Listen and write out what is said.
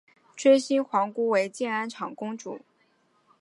追封皇姑为建安长公主。